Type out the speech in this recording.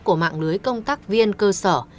của mạng lưới công tác viên cơ sở